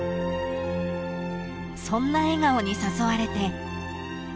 ［そんな笑顔に誘われて］